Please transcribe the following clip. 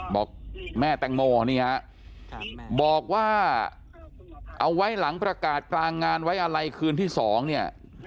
บอกแม่แตงโมนี่ฮะบอกว่าเอาไว้หลังประกาศกลางงานไว้อะไรคืนที่๒เนี่ย